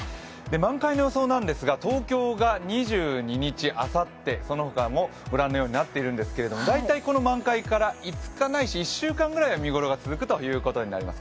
満開の予想なんですが、東京が２２日、あさって、その他もご覧のようになっているんですが、大体、この満開から５日、ないし１週間ぐらいは見頃が続くと思います。